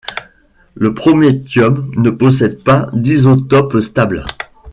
Le prométhium ne possède pas d'isotope stable.